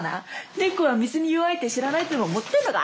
猫は水に弱いって知らないとでも思ってんのか？